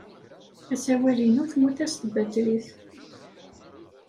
Asawal-inu temmut-as tbatrit.